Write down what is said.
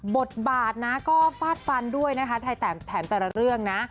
บทบาทนะก็ฟาดฟันด้วยนะคะไทยแถมแต่ละเรื่องนะ